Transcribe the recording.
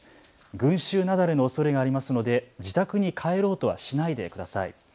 群集雪崩のおそれがありますので自宅に帰ろうとはしないでください。